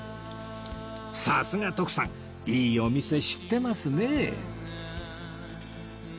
さすが徳さんいいお店知ってますね